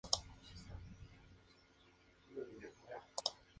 Enrique Pinti y Antonio Gasalla se sumaron a las protestas.